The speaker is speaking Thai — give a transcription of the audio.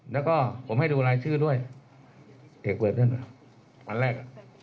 แล้วก็ผมให้ดูรายชื่อด้วยเอกเวิร์ดด้วยนะครับวันแรก